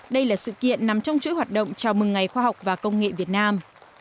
đây là sự kiện nằm trong chuỗi hoạt động chào mừng ngày khoa học và công nghệ việt nam